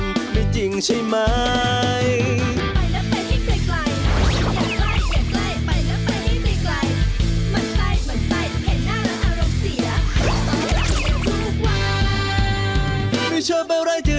ดูแล้วคงไม่รอดเพราะเราคู่กัน